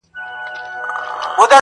ځان یې دروند سو لکه کاڼی په اوبو کي -